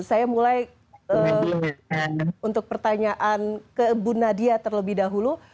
saya mulai untuk pertanyaan ke bu nadia terlebih dahulu